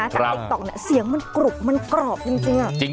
จากติ๊กต๊อกเนี่ยเสียงมันกรุบมันกรอบจริง